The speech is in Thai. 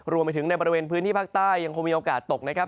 รวมไปถึงในบริเวณพื้นที่ภาคใต้ยังคงมีโอกาสตกนะครับ